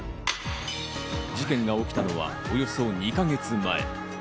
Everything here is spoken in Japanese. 事件が起きたのはおよそ２か月前。